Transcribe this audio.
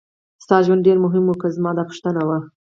ستا ژوند ډېر مهم و که زما دا پوښتنه وه.